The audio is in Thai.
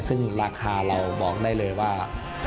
ซึ่งราคาเราบอกได้เลยว่า